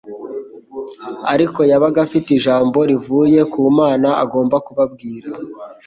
ariko yabaga afite ijambo rivuye ku Mana agomba kubabwira